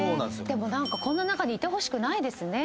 でもこの中にいてほしくない。